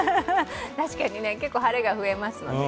確かに結構、晴れが増えますもんね。